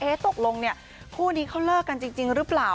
ตกลงเนี่ยคู่นี้เขาเลิกกันจริงหรือเปล่า